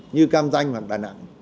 như cam ranh hoặc đà nẵng